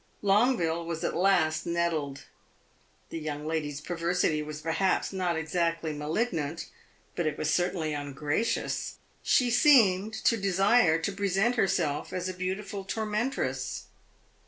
Longueville was at last nettled. The young lady's perversity was perhaps not exactly malignant; but it was certainly ungracious. She seemed to desire to present herself as a beautiful tormentress.